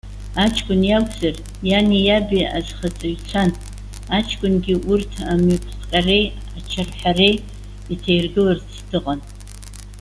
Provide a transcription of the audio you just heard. Аҷкәын иакәзар, иани иаби азхаҵаҩцәан, аҷкәынгьы, урҭ амҩахҟьареи ачарҳәареи иҭаиргыларц дыҟан.